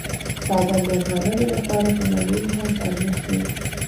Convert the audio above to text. بادام د افغانانو لپاره په معنوي لحاظ ارزښت لري.